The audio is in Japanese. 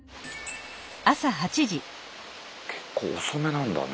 結構遅めなんだね